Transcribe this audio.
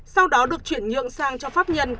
sau đó được chuyển nhượng sang cho pháp nhân